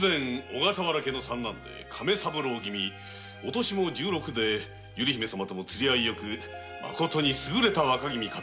小笠原家の３男で亀三郎君お年も１６で百合姫様とも釣り合いよく優れた若君かと。